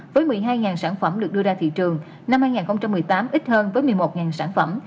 với một mươi hai sản phẩm được đưa ra thị trường năm hai nghìn một mươi tám ít hơn với một mươi một sản phẩm